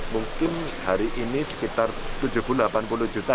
mungkin hari ini sekitar tujuh puluh delapan puluh juta